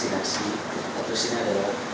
ini adalah rumah sakit misalnya